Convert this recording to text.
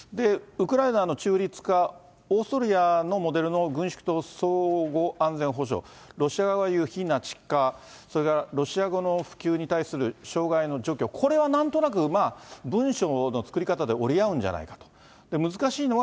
ウクライナの中立化、オーストリアのモデルの軍縮と相互安全保障、ロシア側が言う非ナチ化、それからロシア語の普及に対する障害の除去、これはなんとなく文章の作り方で折り合うんじゃないかと。